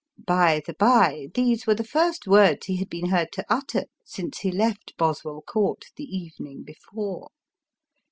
By the bye, these were the first words ho had been heard to utter since he left Boswell Court the evening before.